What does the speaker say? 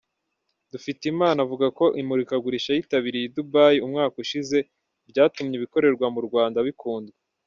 Dufitimana avuga ko imurikagurisha yitabiriye i Dubai umwaka ushize ryatumye ibikorerwa mu Rwanda bikundwa.